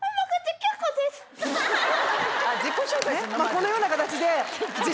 このような形で。